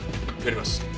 やります。